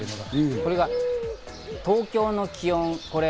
これが東京の気温。